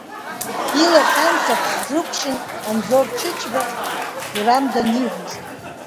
Илахь амца-ԥхӡы ықәшын Анзор Чычба, Гәрам даниҳәоз.